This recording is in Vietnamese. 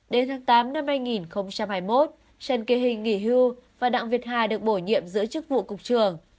đến tháng tám năm hai nghìn hai mươi một trần kỳ hình nghỉ hưu và đặng việt hà được bổ nhiệm giữ chức vụ cục trưởng